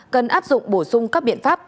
cần áp dụng bổ sung các biện pháp